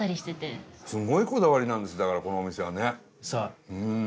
すごいこだわりなんですだからこのお店はね。そう。